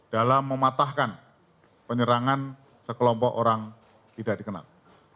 dalam mematahkan penyerangan sekelompok orang tidak dikenal